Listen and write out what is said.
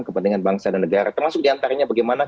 kepentingan bangsa dan negara termasuk diantaranya bagaimana